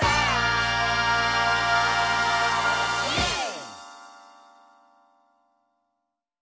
イエーイ！